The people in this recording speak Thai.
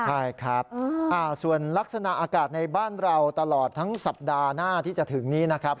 ใช่ครับส่วนลักษณะอากาศในบ้านเราตลอดทั้งสัปดาห์หน้าที่จะถึงนี้นะครับ